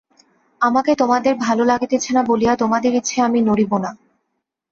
আমাকে তোমাদের ভালো লাগিতেছে না বলিয়া তোমাদের ইচ্ছায় আমি নড়িব না।